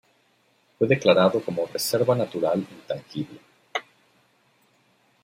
Fue declarado como "Reserva Natural Intangible".